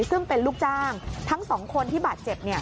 ซึ่งเป็นลูกจ้างทั้ง๒คนที่บาดเจ็บ